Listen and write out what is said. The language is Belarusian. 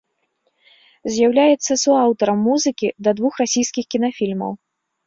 З'яўляецца суаўтарам музыкі да двух расійскіх кінафільмаў.